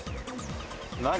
何？